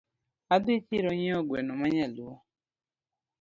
Adhi chiro ng'iewo gweno manyaluo